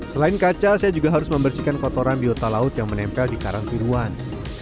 selain kaca saya juga harus membersihkan kotoran biota laut yang menempel di karang tiruan